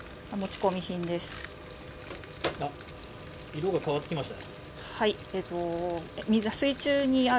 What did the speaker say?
色が変わってきましたね。